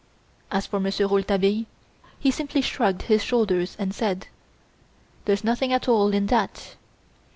As for Monsieur Rouletabille, he simply shrugged his shoulders and said: "There's nothing at all in that!"